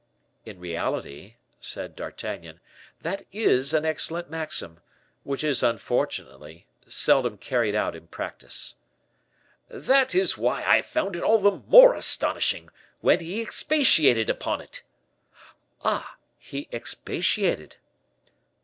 '" "In reality," said D'Artagnan, "that is an excellent maxim, which is, unfortunately, seldom carried out in practice." "That is why I found it all the more astonishing, when he expatiated upon it." "Ah! he expatiated?"